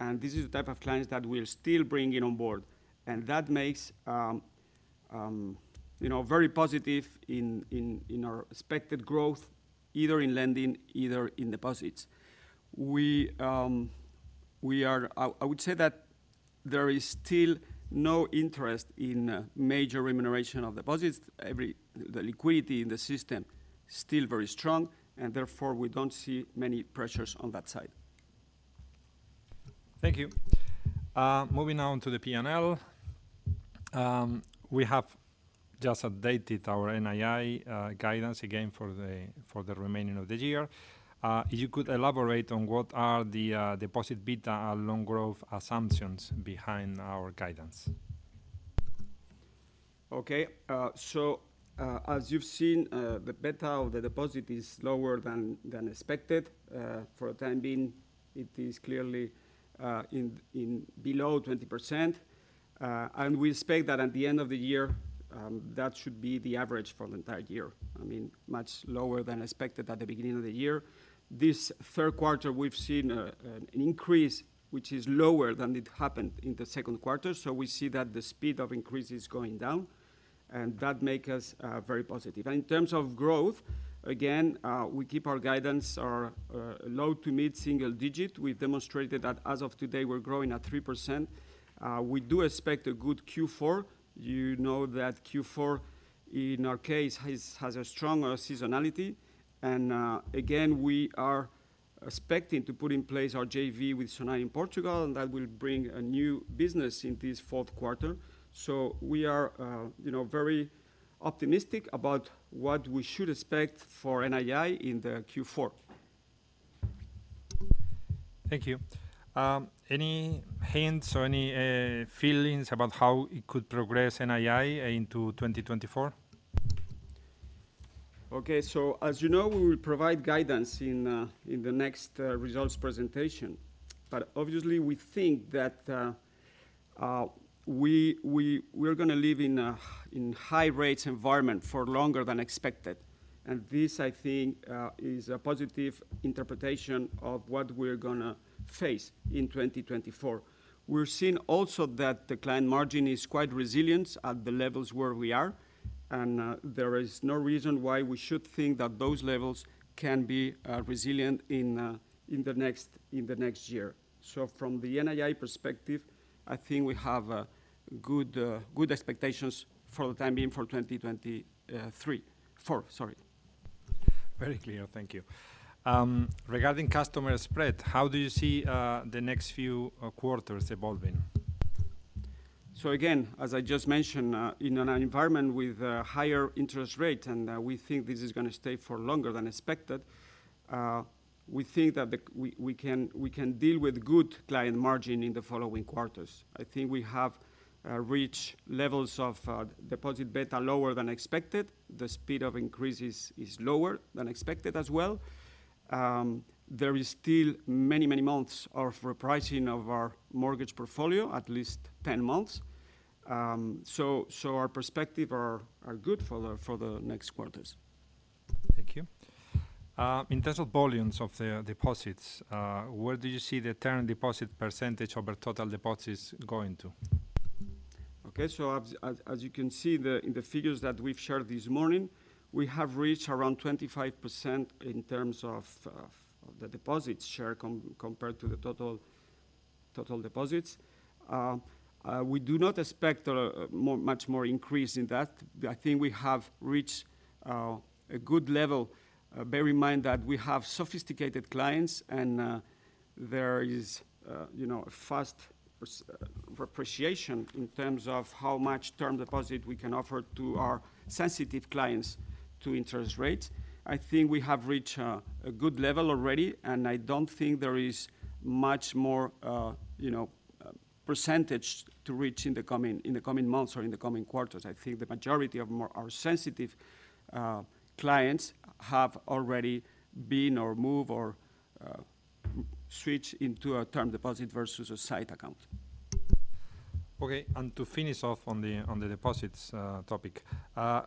Speaker 2: and this is the type of clients that we're still bringing on board. And that makes you know, very positive in our expected growth, either in lending, either in deposits. We are—I would say that there is still no interest in major remuneration of deposits. The liquidity in the system is still very strong, and therefore, we don't see many pressures on that side.
Speaker 1: Thank you. Moving on to the P&L. We have just updated our NII guidance again for the remaining of the year. You could elaborate on what are the deposit beta and loan growth assumptions behind our guidance?
Speaker 2: Okay. So, as you've seen, the beta of the deposit is lower than expected. For the time being, it is clearly in below 20%. And we expect that at the end of the year, that should be the average for the entire year. I mean, much lower than expected at the beginning of the year. This third quarter, we've seen an increase, which is lower than it happened in the second quarter, so we see that the speed of increase is going down, and that make us very positive. And in terms of growth, again, we keep our guidance our low to mid-single digit. We demonstrated that as of today, we're growing at 3%. We do expect a good Q4. You know that Q4, in our case, has a stronger seasonality, and again, we are expecting to put in place our JV with Sonae in Portugal, and that will bring a new business in this fourth quarter. So we are, you know, very optimistic about what we should expect for NII in the Q4.
Speaker 1: Thank you. Any hints or feelings about how it could progress NII into 2024? ...
Speaker 2: Okay, so as you know, we will provide guidance in the next results presentation. But obviously, we think that we're gonna live in a high rates environment for longer than expected, and this, I think, is a positive interpretation of what we're gonna face in 2024. We're seeing also that the client margin is quite resilient at the levels where we are, and there is no reason why we should think that those levels can't be resilient in the next year. So from the NII perspective, I think we have good expectations for the time being, for 2024, sorry.
Speaker 1: Very clear. Thank you. Regarding customer spread, how do you see the next few quarters evolving?
Speaker 2: So again, as I just mentioned, in an environment with higher interest rates, and we think this is gonna stay for longer than expected, we think that the—we, we can, we can deal with good client margin in the following quarters. I think we have reached levels of deposit beta lower than expected. The speed of increase is, is lower than expected as well. There is still many, many months of repricing of our mortgage portfolio, at least 10 months. So, so our perspective are, are good for the, for the next quarters.
Speaker 1: Thank you. In terms of volumes of the deposits, where do you see the term deposit percentage over total deposits going to?
Speaker 2: Okay, so as you can see, in the figures that we've shared this morning, we have reached around 25% in terms of the deposits share compared to the total deposits. We do not expect much more increase in that. I think we have reached a good level. Bear in mind that we have sophisticated clients, and there is, you know, a fast appreciation in terms of how much term deposit we can offer to our sensitive clients to interest rates. I think we have reached a good level already, and I don't think there is much more percentage to reach in the coming months or in the coming quarters. I think the majority of our more sensitive clients have already been, or moved, or, switched into a term deposit versus a sight account.
Speaker 1: Okay, and to finish off on the deposits topic,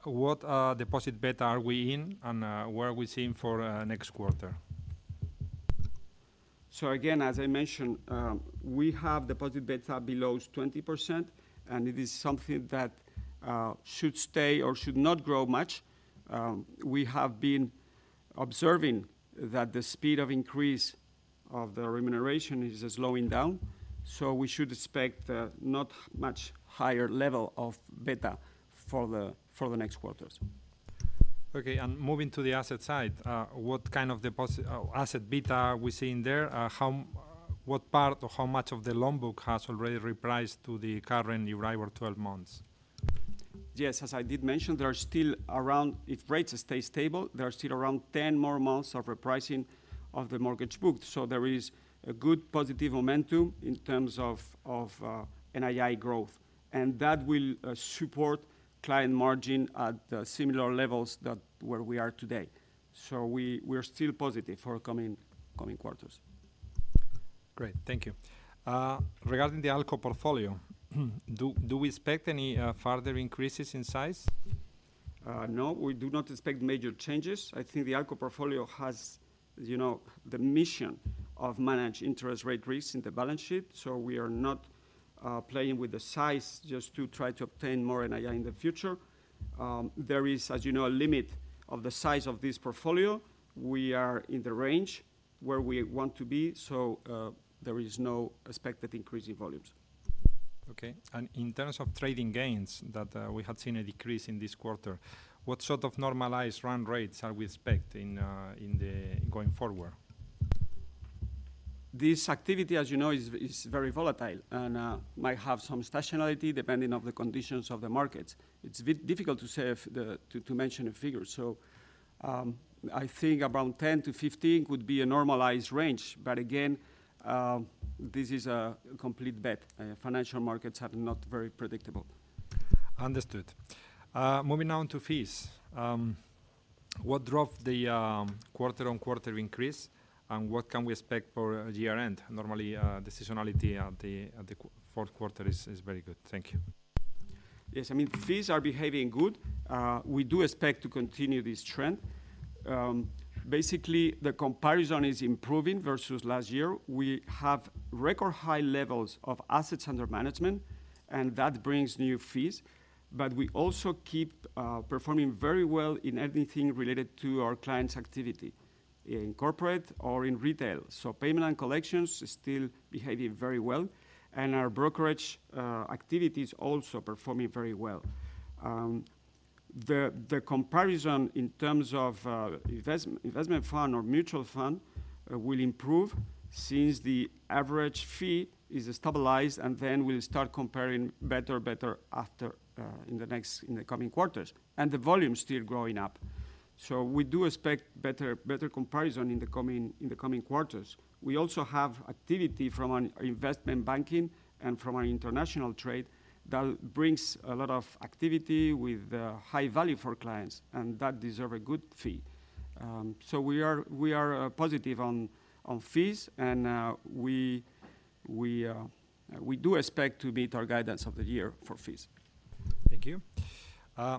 Speaker 1: what deposit beta are we in, and where are we seeing for next quarter?
Speaker 2: So again, as I mentioned, we have deposit beta below 20%, and it is something that should stay or should not grow much. We have been observing that the speed of increase of the remuneration is slowing down, so we should expect not much higher level of beta for the next quarters.
Speaker 1: Okay, and moving to the asset side, what kind of asset beta are we seeing there? What part or how much of the loan book has already repriced to the current Euribor 12 months?
Speaker 2: Yes, as I did mention, there are still around... If rates stay stable, there are still around 10 more months of repricing of the mortgage book. So there is a good positive momentum in terms of NII growth, and that will support client margin at similar levels to where we are today. So we're still positive for coming quarters.
Speaker 1: Great, thank you. Regarding the ALCO portfolio, do we expect any further increases in size?
Speaker 2: No, we do not expect major changes. I think the ALCO portfolio has, you know, the mission of managed interest rate risk in the balance sheet, so we are not playing with the size just to try to obtain more NII in the future. There is, as you know, a limit of the size of this portfolio. We are in the range where we want to be, so there is no expected increase in volumes.
Speaker 1: Okay, and in terms of trading gains, that we have seen a decrease in this quarter, what sort of normalized run rates are we expecting going forward?
Speaker 2: This activity, as you know, is very volatile and might have some seasonality depending on the conditions of the markets. It's difficult to say to mention a figure. So, I think around 10-15 would be a normalized range. But again, this is a complete bet. Financial markets are not very predictable.
Speaker 1: Understood. Moving on to fees. What drove the quarter-on-quarter increase, and what can we expect for year-end? Normally, the seasonality at the fourth quarter is very good. Thank you.
Speaker 2: Yes, I mean, fees are behaving good. We do expect to continue this trend. Basically, the comparison is improving versus last year. We have record high levels of assets under management, and that brings new fees, but we also keep performing very well in everything related to our clients' activity, in corporate or in retail. So payment and collections is still behaving very well, and our brokerage activities also performing very well. The comparison in terms of investment fund or mutual fund will improve since the average fee is stabilized, and then we'll start comparing better in the coming quarters. The volume is still growing up. We do expect better comparison in the coming quarters. We also have activity from our investment banking and from our international trade that brings a lot of activity with high value for clients, and that deserve a good fee. So we are positive on fees, and we do expect to meet our guidance of the year for fees....
Speaker 1: Thank you.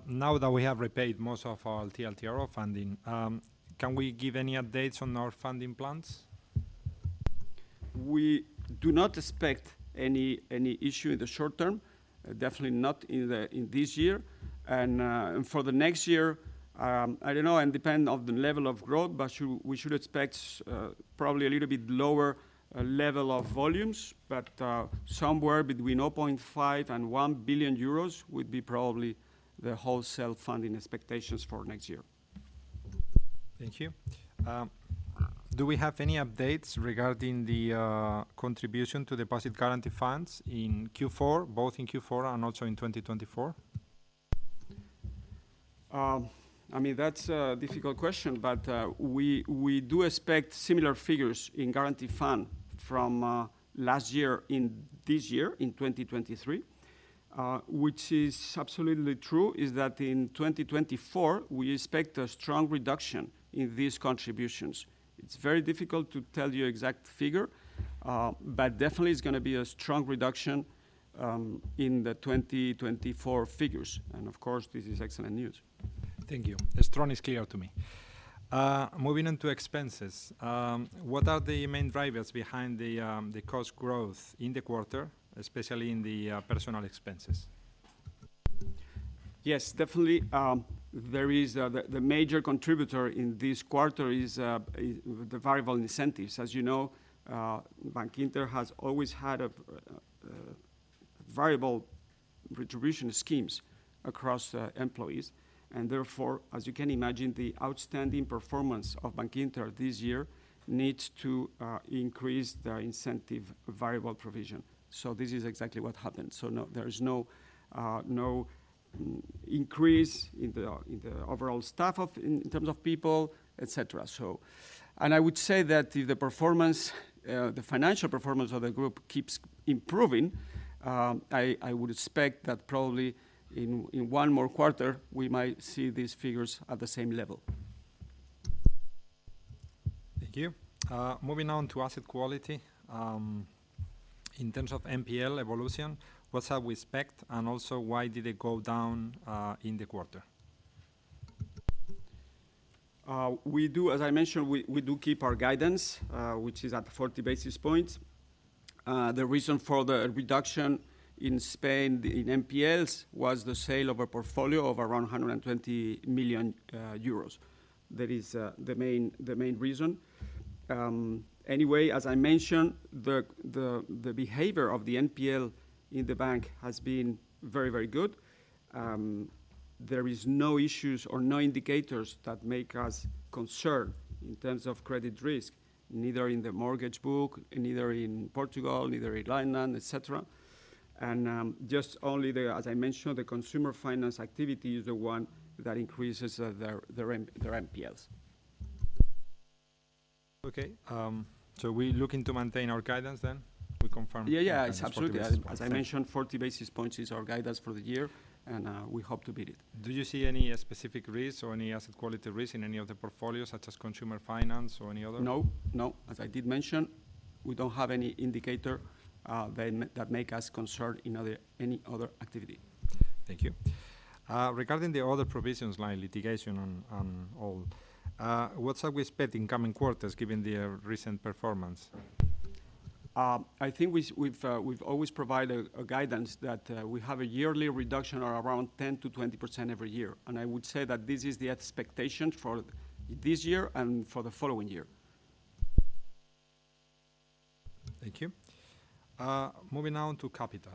Speaker 1: Now that we have repaid most of our TLTRO funding, can we give any updates on our funding plans?
Speaker 2: We do not expect any issue in the short term, definitely not in this year. And for the next year, I don't know, and depend on the level of growth, but we should expect probably a little bit lower level of volumes. But somewhere between 0.5 billion and 1 billion euros would be probably the wholesale funding expectations for next year.
Speaker 1: Thank you. Do we have any updates regarding the contribution to deposit guarantee funds in Q4, both in Q4 and also in 2024?
Speaker 2: I mean, that's a difficult question, but, we, we do expect similar figures in guarantee fund from last year in this year, in 2023. Which is absolutely true, is that in 2024, we expect a strong reduction in these contributions. It's very difficult to tell you exact figure, but definitely it's gonna be a strong reduction, in the 2024 figures. And of course, this is excellent news.
Speaker 1: Thank you. The strong is clear to me. Moving on to expenses, what are the main drivers behind the cost growth in the quarter, especially in the personnel expenses?
Speaker 2: Yes, definitely, there is... The major contributor in this quarter is the variable incentives. As you know, Bankinter has always had a variable remuneration schemes across employees, and therefore, as you can imagine, the outstanding performance of Bankinter this year needs to increase their incentive variable provision. So this is exactly what happened. So no, there is no increase in the overall staff in terms of people, et cetera, so. And I would say that if the performance, the financial performance of the group keeps improving, I would expect that probably in one more quarter, we might see these figures at the same level.
Speaker 1: Thank you. Moving on to asset quality, in terms of NPL evolution, what have we expect? And also, why did it go down in the quarter?
Speaker 2: As I mentioned, we, we do keep our guidance, which is at 40 basis points. The reason for the reduction in Spain in NPLs was the sale of a portfolio of around 120 million euros. That is, the main, the main reason. Anyway, as I mentioned, the behavior of the NPL in the bank has been very, very good. There is no issues or no indicators that make us concerned in terms of credit risk, neither in the mortgage book, neither in Portugal, neither in mainland, et cetera. And, just only the, as I mentioned, the consumer finance activity is the one that increases, their, their NPLs.
Speaker 1: Okay, so we're looking to maintain our guidance, then? We confirm-
Speaker 2: Yeah, yeah, it's absolutely. As I mentioned, 40 basis points is our guidance for the year, and we hope to beat it.
Speaker 1: Do you see any specific risks or any asset quality risk in any of the portfolios, such as consumer finance or any other?
Speaker 2: No, no. As I did mention, we don't have any indicator that make us concerned in other any other activity.
Speaker 1: Thank you. Regarding the other provisions, like litigation and, and all, what are we expecting in coming quarters, given the recent performance?
Speaker 2: I think we've always provided a guidance that we have a yearly reduction of around 10%-20% every year, and I would say that this is the expectation for this year and for the following year.
Speaker 1: Thank you. Moving on to capital.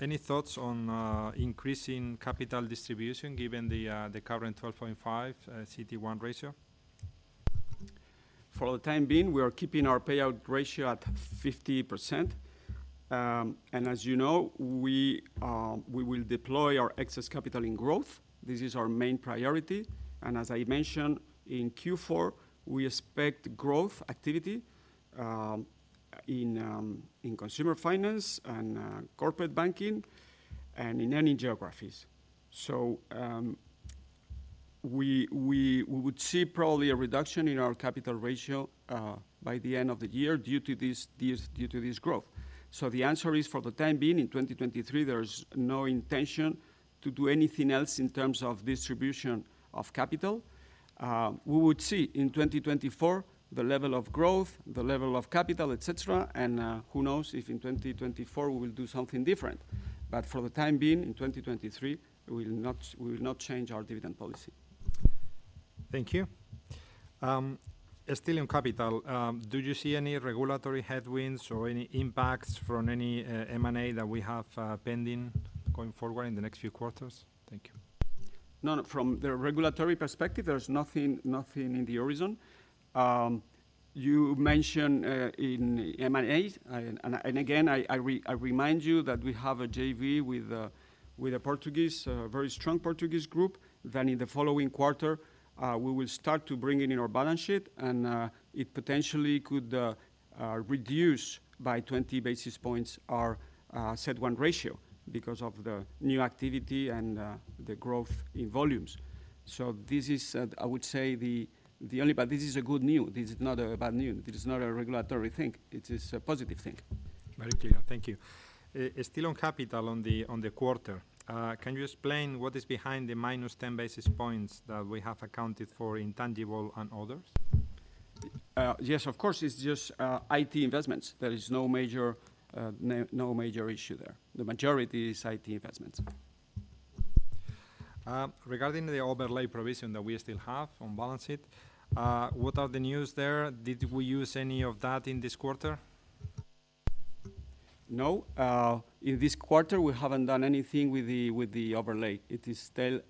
Speaker 1: Any thoughts on increasing capital distribution, given the current 12.5% CET1 ratio?
Speaker 2: For the time being, we are keeping our payout ratio at 50%. And as you know, we will deploy our excess capital in growth. This is our main priority, and as I mentioned, in Q4, we expect growth activity in consumer finance and corporate banking and in any geographies. So we would see probably a reduction in our capital ratio by the end of the year, due to this growth. So the answer is, for the time being, in 2023, there's no intention to do anything else in terms of distribution of capital. We would see in 2024, the level of growth, the level of capital, et cetera, and who knows if in 2024 we will do something different. For the time being, in 2023, we will not, we will not change our dividend policy.
Speaker 1: Thank you. Still on capital, do you see any regulatory headwinds or any impacts from any M&A that we have pending going forward in the next few quarters? Thank you.
Speaker 2: No, from the regulatory perspective, there's nothing, nothing in the horizon. You mentioned in M&A, and again, I remind you that we have a JV with a Portuguese, a very strong Portuguese group, that in the following quarter, we will start to bring in in our balance sheet, and it potentially could reduce by 20 basis points our CET1 ratio because of the new activity and the growth in volumes. So this is, I would say, the only, but this is a good news. This is not a bad news. This is not a regulatory thing; it is a positive thing....
Speaker 1: Very clear. Thank you. Still on capital, on the, on the quarter, can you explain what is behind the minus 10 basis points that we have accounted for in tangible and others?
Speaker 2: Yes, of course. It's just IT investments. There is no major issue there. The majority is IT investments.
Speaker 1: Regarding the overlay provision that we still have on balance sheet, what are the news there? Did we use any of that in this quarter?
Speaker 2: No. In this quarter, we haven't done anything with the overlay. It is still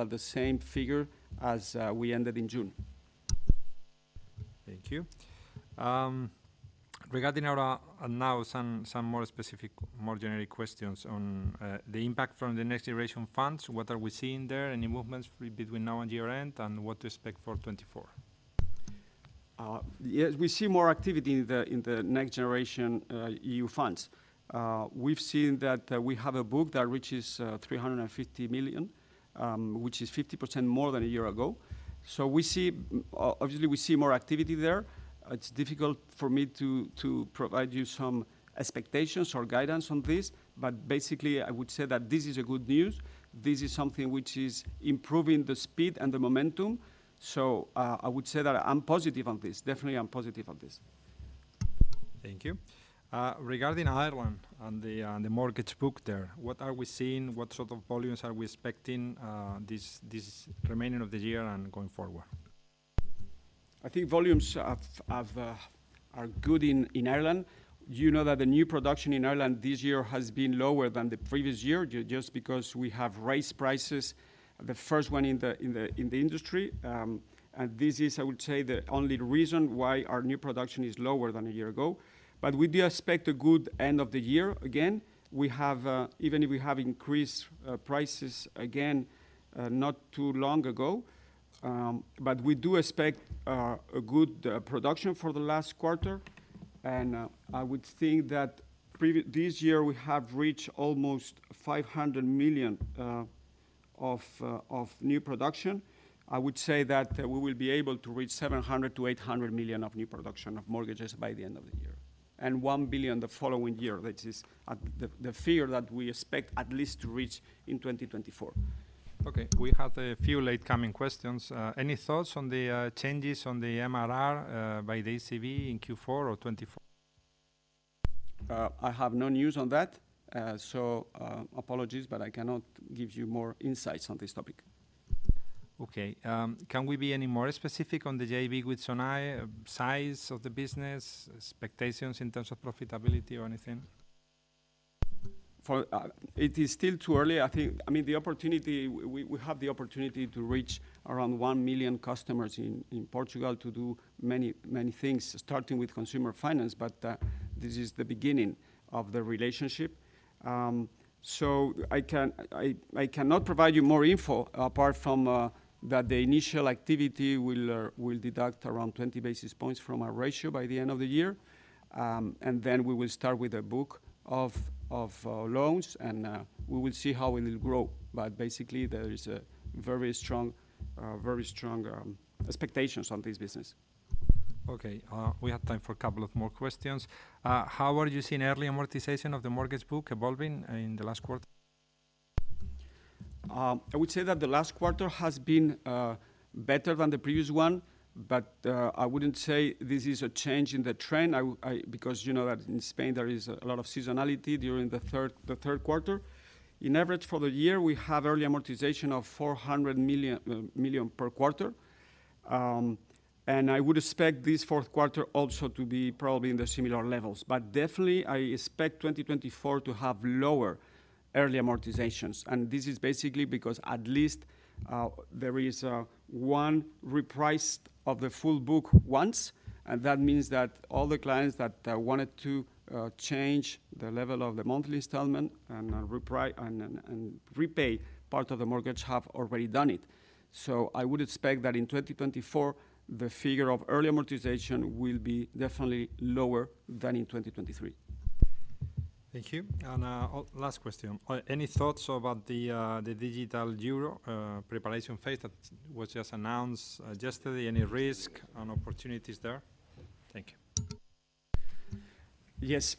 Speaker 2: at the same figure as we ended in June.
Speaker 1: Thank you. Regarding our some more specific, more generic questions on the impact from the Next Generation funds. What are we seeing there? Any movements between now and year-end, and what to expect for 2024?
Speaker 2: Yes, we see more activity in the, in the NextGenerationEU Funds. We've seen that, we have a book that reaches 350 million, which is 50% more than a year ago. So we see, obviously we see more activity there. It's difficult for me to, to provide you some expectations or guidance on this, but basically, I would say that this is a good news. This is something which is improving the speed and the momentum, so, I would say that I'm positive on this. Definitely, I'm positive on this.
Speaker 1: Thank you. Regarding Ireland and the mortgage book there, what are we seeing? What sort of volumes are we expecting, this remaining of the year and going forward?
Speaker 2: I think volumes have are good in Ireland. You know that the new production in Ireland this year has been lower than the previous year just because we have raised prices, the first one in the industry. And this is, I would say, the only reason why our new production is lower than a year ago. But we do expect a good end of the year again. We have even if we have increased prices again not too long ago. But we do expect a good production for the last quarter, and I would think that previously this year, we have reached almost 500 million of new production. I would say that we will be able to reach 700 million-800 million of new production of mortgages by the end of the year, and 1 billion the following year, which is the figure that we expect at least to reach in 2024.
Speaker 1: Okay, we have a few late-coming questions. Any thoughts on the changes on the MRR by the ECB in Q4 or 2024?
Speaker 2: I have no news on that. So, apologies, but I cannot give you more insights on this topic.
Speaker 1: Okay, can we be any more specific on the JV with Sonae? Size of the business, expectations in terms of profitability or anything?
Speaker 2: It is still too early. I think, I mean, the opportunity, we, we have the opportunity to reach around 1 million customers in, in Portugal to do many, many things, starting with consumer finance. But, this is the beginning of the relationship. So I cannot provide you more info, apart from, that the initial activity will, will deduct around 20 basis points from our ratio by the end of the year. And then we will start with a book of, of, loans, and, we will see how it will grow. But basically, there is a very strong, very strong, expectations on this business.
Speaker 1: Okay, we have time for a couple of more questions. How are you seeing early amortization of the mortgage book evolving in the last quarter?
Speaker 2: I would say that the last quarter has been better than the previous one, but I wouldn't say this is a change in the trend. Because you know that in Spain, there is a lot of seasonality during the third quarter. On average for the year, we have early amortization of 400 million per quarter. And I would expect this fourth quarter also to be probably in the similar levels. But definitely, I expect 2024 to have lower early amortizations, and this is basically because at least there is one reprice of the full book once, and that means that all the clients that wanted to change the level of the monthly installment and repay part of the mortgage have already done it. I would expect that in 2024, the figure of early amortization will be definitely lower than in 2023.
Speaker 1: Thank you. And, last question. Any thoughts about the digital euro preparation phase that was just announced yesterday? Any risk and opportunities there? Thank you.
Speaker 2: Yes,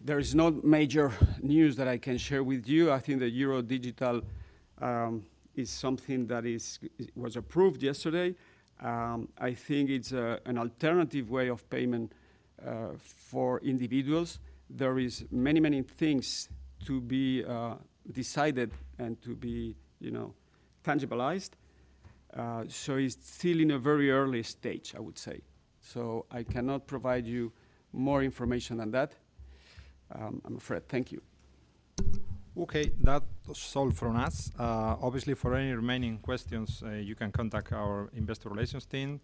Speaker 2: there is no major news that I can share with you. I think the digital euro is something that was approved yesterday. I think it's an alternative way of payment for individuals. There is many, many things to be decided and to be, you know, tangibilized. So it's still in a very early stage, I would say, so I cannot provide you more information than that, I'm afraid. Thank you.
Speaker 1: Okay, that's all from us. Obviously, for any remaining questions, you can contact our investor relations team.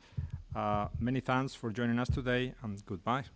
Speaker 1: Many thanks for joining us today, and goodbye.